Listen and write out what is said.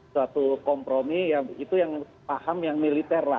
suatu kompromi ya itu yang paham yang militer lah